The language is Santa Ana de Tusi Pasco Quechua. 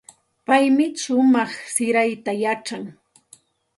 Paymi shumaq sirayta yachan.